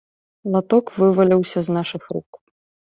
Латок вываліўся з нашых рук.